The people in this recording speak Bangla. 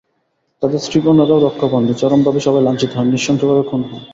তাঁদের স্ত্রী-কন্যারাও রক্ষা পাননি, চরমভাবে সবাই লাঞ্ছিত হন, নৃশংসভাবে খুন হন।